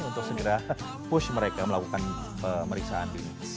untuk segera push mereka melakukan pemeriksaan di sini